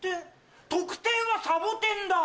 得点はサボテンだ。